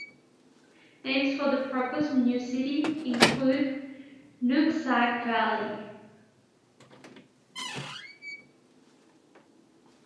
Names for the proposed new city include "Nooksack Valley".